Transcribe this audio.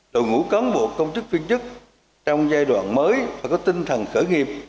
đội ngũ cán bộ công chức viên chức trong giai đoạn mới và có tinh thần khởi nghiệp